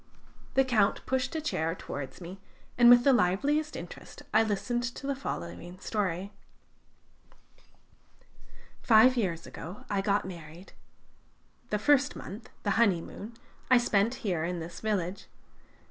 The Count pushed a chair towards me, and with the liveliest interest I listened to the following story: "Five years ago I got married. The first month the honeymoon I spent here, in this village.